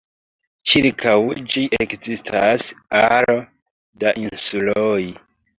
Ĉirkaŭ ĝi ekzistas aro da insuloj.